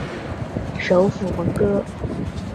首府蒙戈。